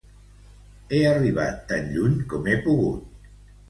He arribat tan lluny com he pogut.